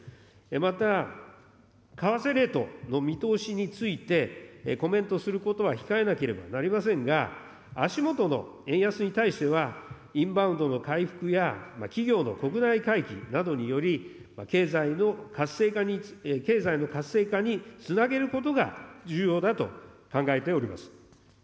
また、為替レートの見通しについてコメントすることは控えなければなりませんが、足下の円安に対しては、インバウンドの回復や企業の国内回帰などにより、経済の活性化につなげることが重要だと考えております。